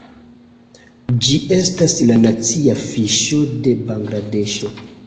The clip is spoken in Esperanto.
Ĝi estas la nacia fiŝo de Bangladeŝo.